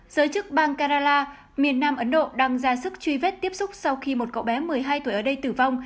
giới chức bang karala miền nam ấn độ đang ra sức truy vết tiếp xúc sau khi một cậu bé một mươi hai tuổi ở đây tử vong